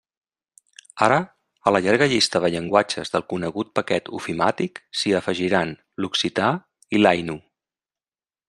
Ara, a la llarga llista de llenguatges del conegut paquet ofimàtic s'hi afegiran l'occità i l'ainu.